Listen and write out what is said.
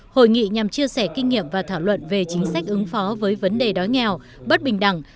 hội nghị nhằm chia sẻ kinh nghiệm và thảo luận về chính sách ứng phó với vấn đề đói nghèo bất bình đẳng